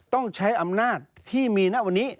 ต้องใช้อำนาจที่มีณวันนี้